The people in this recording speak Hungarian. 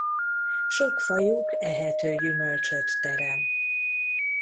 Sok fajuk ehető gyümölcsöt terem.